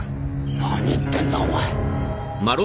何言ってんだお前。